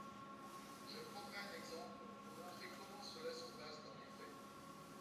Je prendrai un exemple pour montrer comment cela se passe dans les faits.